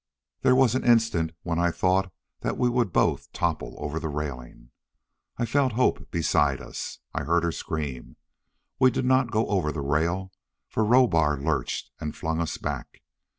There was an instant when I thought that we would both topple over the railing. I felt Hope beside us. I heard her scream. We did not go over the rail, for Rohbar lurched and flung us back.